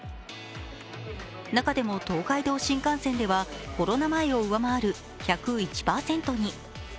中でも東海道新幹線ではコロナ前を上回る１０１％に。